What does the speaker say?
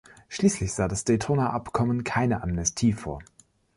Schließlich sah das Daytoner Abkommen keine Amnestie vor.